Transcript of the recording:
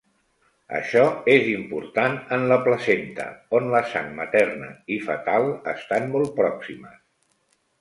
Això és important en la placenta, on la sang materna i fetal estan molt pròximes.